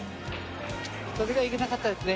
それがいけなかったですね。